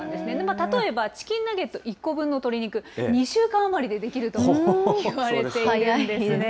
例えばチキンナゲット１個分の鶏肉、２週間余りで出来るといわれているんですね。